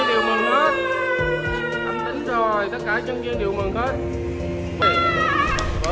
âm tính rồi tất cả nhân viên đều mừng hết